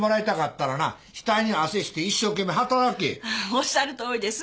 おっしゃるとおりです。